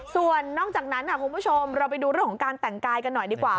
ส่วนนอกจากนั้นค่ะคุณผู้ชมเราไปดูเรื่องของการแต่งกายกันหน่อยดีกว่า